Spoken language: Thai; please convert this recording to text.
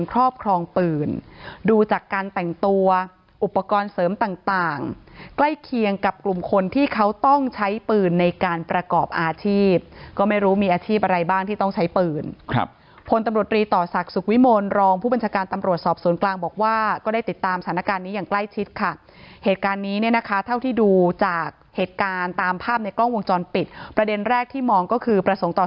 แค่เคียงกับกลุ่มคนที่เขาต้องใช้ปืนในการประกอบอาชีพก็ไม่รู้มีอาชีพอะไรบ้างที่ต้องใช้ปืนผลตำรวจตรีต่อศักดิ์สุขวิมลรองผู้บัญชาการตำรวจสอบศูนย์กลางบอกว่าก็ได้ติดตามสถานการณ์นี้อย่างใกล้ชิดค่ะเหตุการณ์นี้นะคะเท่าที่ดูจากเหตุการณ์ตามภาพในกล้องวงจรปิดประเด็นแรกที่มองก็คื